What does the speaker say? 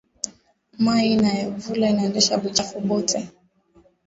Mayi ya nvula inaendesha buchafu bote